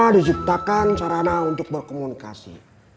diciptakan sarana untuk berkomunikasi